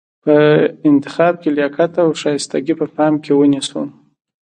په انتخاب کې لیاقت او شایستګي په پام کې ونیسو.